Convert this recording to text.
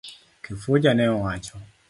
Kifuja ne owacho.